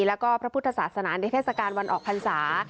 แล้วก็พระพุทธศาสนาในเทศกาลวันออกพรรษา